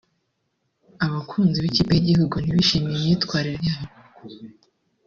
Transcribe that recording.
Abakunzi b’ikipe y’igihugu ntibishimiye imyitwarire yayo